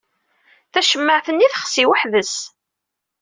Tacemmaɛt-nni texsi weḥd-s.